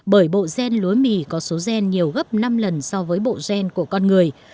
bởi bộ gen lúa mì có số gen nhiều gấp năm lần so với bộ gen của con người